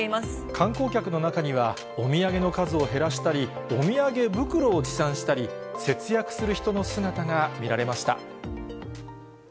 観光客の中には、お土産の数を減らしたり、お土産袋を持参したり、節約する人の姿が見られました。